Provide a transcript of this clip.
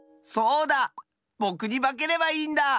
ぼくにばければいいんだ！